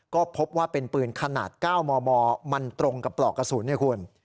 ก็พบว่าเป็นปืนขนาด๙มมมันตรงกับปลอกกระสุนเนี่ยคุณ